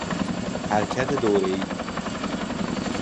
حرکت دوره ای